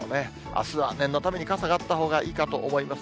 あすは念のために傘があったほうがいいかと思います。